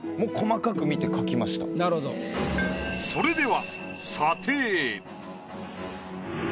それでは。